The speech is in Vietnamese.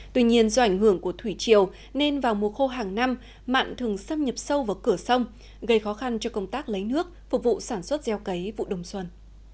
tuy nhiên do ảnh hưởng của thủy triều nên vào mùa khô hàng năm mặn thường xâm nhập sâu vào cửa sông gây khó khăn cho công tác lấy nước phục vụ sản xuất gieo cấy vụ đông xuân